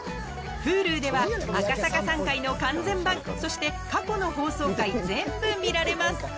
Ｈｕｌｕでは赤坂さん回の完全版そして過去の放送回全部見られます！